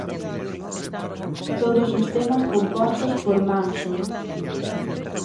Todos os temas compostos por Manson.